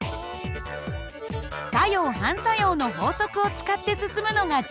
作用・反作用の法則を使って進むのが条件です。